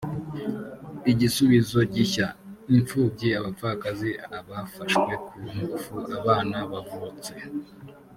igisubizo gishya impfubyi abapfakazi abafashwe ku ngufu abana bavutse